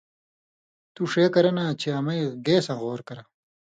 تُو ݜے کرہ نا چے امَیں گیساں غور کرہ